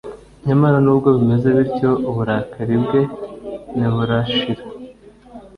nyamara nubwo bimeze bityo uburakari bwe ntiburashira